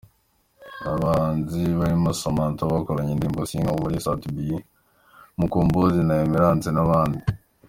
Aba bahanzi barimo Samantha bakoranye indirimbo “Sinkakubure”, Sat-B, Mukombozi na Emerance n’abandi.